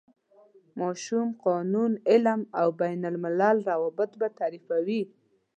ماشوم، قانون، علم او بین الملل روابط به تعریفوي.